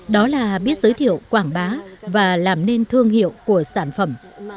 đó là biết giới thiệu quảng bá và làm nên thương hiệu của sản phẩm